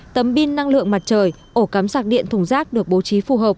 tấm pin năng lượng mặt trời ổ cắm sạc điện thùng rác được bố trí phù hợp